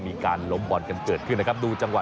มีการล้มบอลกันเกิดขึ้นนะครับดูจังหวะ